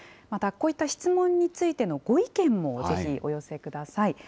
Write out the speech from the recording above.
またこういった質問についてのご意見もぜひお寄せください。